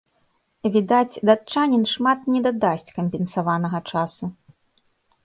Відаць, датчанін шмат не дадасць кампенсаванага часу.